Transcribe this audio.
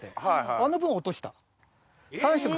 あの分落とした。